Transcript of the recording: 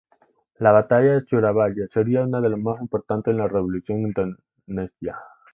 La batalla de Surabaya sería una de las más importantes en la Revolución Indonesia.